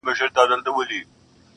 اکوزړیې نجونه واړه لکه باغ دي